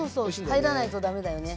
入らないと駄目だよね。